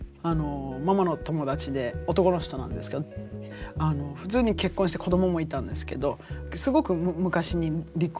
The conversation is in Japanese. ママの友達で男の人なんですけど普通に結婚して子どももいたんですけどすごく昔に離婚して。